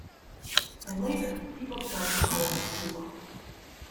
And later people started to call it Rasuwa.